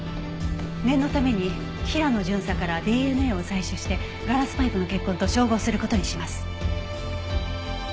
念のために平野巡査からＤＮＡを採取してガラスパイプの血痕と照合する事にします。